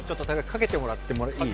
かけてもらってもいい？